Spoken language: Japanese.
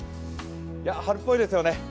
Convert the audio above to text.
春っぽいですよね